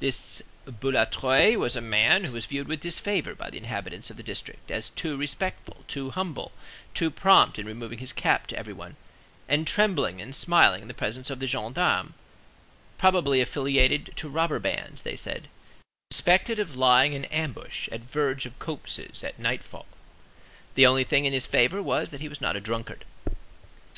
This Boulatruelle was a man who was viewed with disfavor by the inhabitants of the district as too respectful, too humble, too prompt in removing his cap to every one, and trembling and smiling in the presence of the gendarmes,—probably affiliated to robber bands, they said; suspected of lying in ambush at verge of copses at nightfall. The only thing in his favor was that he was a drunkard.